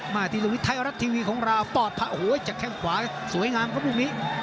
มาทีลุ่มที่ไทยออรัตทีวีของเราปอดผ้าหัวจากแข่งขวาสวยงามก็พรุ่งนี้